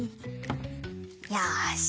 よし！